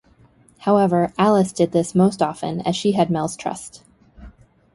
However, Alice did this most often, as she had Mel's trust.